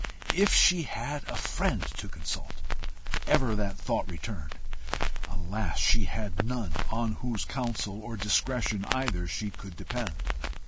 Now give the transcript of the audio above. If she had but a friend to consult! Ever that thought returned. Alas! she had none on whose counsel or discretion either she could depend.